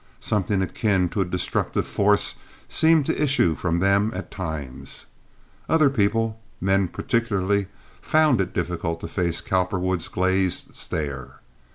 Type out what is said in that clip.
Something akin to a destructive force seemed to issue from them at times. Other people, men particularly, found it difficult to face Cowperwood's glazed stare.